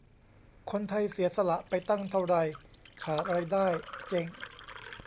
คนไทยเสียสละไปตั้งเท่าไร ขาดรายได้ เจ๊ง